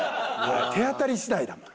手当たり次第だもん。